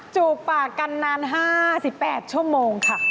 จูบปากกันนานห้าสิบแปดชั่วโมงค่ะ